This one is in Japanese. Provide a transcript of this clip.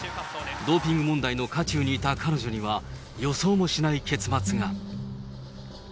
ドーピング問題の渦中にいた彼女には、予想もしない結末が。